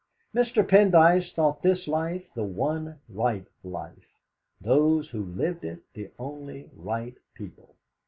Mr. Pendyce thought this life the one right life; those who lived it the only right people.